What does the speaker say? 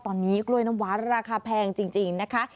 ตอนนี้กล้วยน้ำว้าราคาแพงจริงนะคะ